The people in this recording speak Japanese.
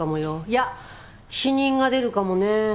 いや死人が出るかもね。